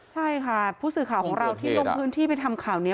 ใช่ค่ะผู้สื่อข่าวของเราที่ลงพื้นที่ไปทำข่าวนี้